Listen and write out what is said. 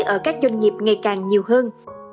ở các doanh nghiệp ngày càng nhiều hơn